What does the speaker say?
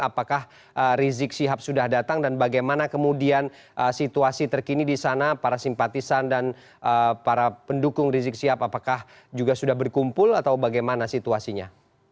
apakah rizik sihab sudah datang dan bagaimana kemudian situasi terkini di sana para simpatisan dan para pendukung rizik sihab apakah juga sudah berkumpul atau bagaimana situasinya